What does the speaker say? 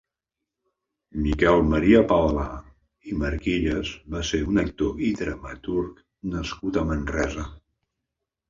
Miquel Maria Palà i Marquillas va ser un actor i dramaturg nascut a Manresa.